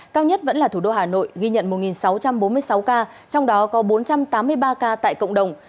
cao nhất vẫn là thủ đô hà nội ghi nhận một sáu trăm bốn mươi sáu ca trong đó có bốn trăm tám mươi ba ca tại cộng đồng